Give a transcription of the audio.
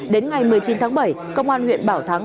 đến ngày một mươi chín tháng bảy công an huyện bảo thắng